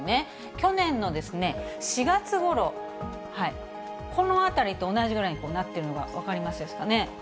去年の４月ごろ、この辺りと同じぐらいになっているのが分かりますですかね。